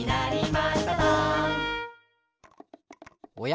おや？